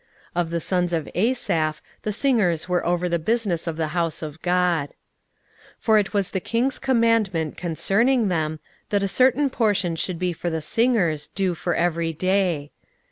Of the sons of Asaph, the singers were over the business of the house of God. 16:011:023 For it was the king's commandment concerning them, that a certain portion should be for the singers, due for every day.